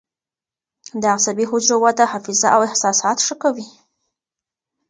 د عصبي حجرو وده حافظه او احساسات ښه کوي.